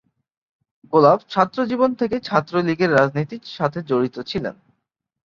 গোলাপ ছাত্রজীবন থেকেই ছাত্রলীগের রাজনীতির সাথে জড়িত ছিলেন।